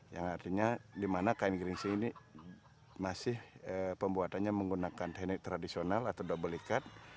yang artinya dimana kain geringsing ini masih pembuatannya menggunakan teknik tradisional atau double ikat